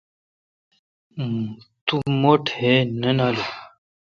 تو مہ ٹھ نہ نالون آں؟